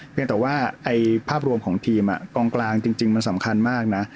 เพียงแต่ว่าภาพรวมของทีมกองกลางจริงมันสำคัญมากนะ